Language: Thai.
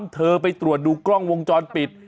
เธอไปตรวจดูกล้องวงจรปิด